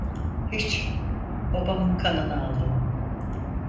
Hiç, babamın kanını aldım.